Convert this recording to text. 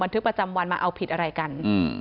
ทึกประจำวันมาเอาผิดอะไรกันอืม